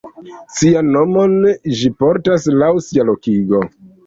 Sian nomon ĝi portas laŭ sia lokigo.